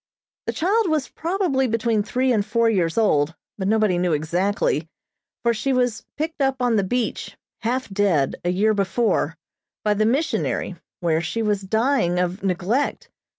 The child was probably between three and four years old, but nobody knew exactly, for she was picked up on the beach, half dead, a year before, by the missionary, where she was dying of neglect.